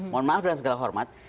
mohon maaf dengan segala hormat